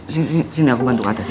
sini sini sini aku bantu ke atas ya